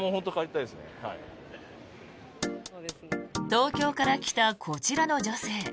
東京から来たこちらの女性。